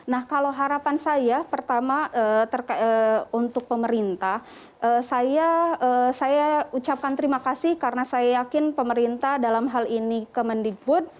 nah kalau harapan saya pertama untuk pemerintah saya ucapkan terima kasih karena saya yakin pemerintah dalam hal ini kemendikbud